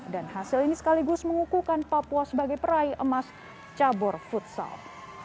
dan hasil ini sekaligus mengukuhkan papua sebagai peraih emas cabur futsal